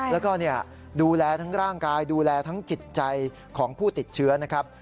แล้วก็ดูแลทั้งร่างกายดูแลทั้งจิตใจของผู้ติดเชื้อนะครับ